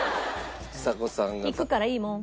ちさ子さんが。